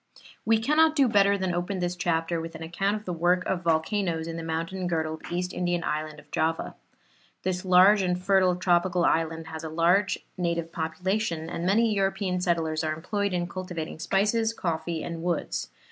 We cannot do better than open this chapter with an account of the work of volcanoes in the mountain girdled East Indian island of Java. This large and fertile tropical island has a large native population, and many European settlers are employed in cultivating spices, coffee and woods.